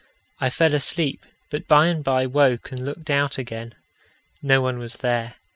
I fell asleep, but by and by woke and looked out again. No one was there.